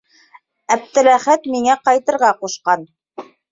Әптеләхәт миңә ҡайтырға ҡушҡан.